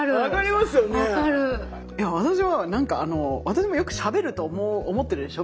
私も何かあの私もよくしゃべると思ってるでしょ？